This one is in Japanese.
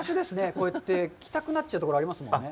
こうやって着たくなっちゃうところがありますね。